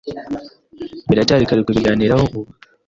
Biracyari kare kubiganiraho ubu.